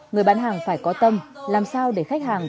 người bán hàng phải có tâm làm sao để khách hàng